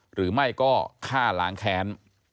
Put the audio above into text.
หรือไม่ก็ฆ่าล้างแค้น